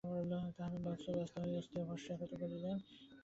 তাঁহারা মহাব্যস্ত হইয়া অস্থি ও ভস্ম একত্রে করিলেন।